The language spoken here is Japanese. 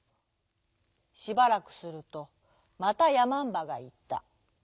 しばらくするとまたやまんばがいった。